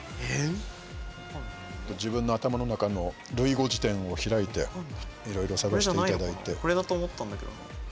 自分の頭の中の類語辞典を開いていろいろ探していただいて。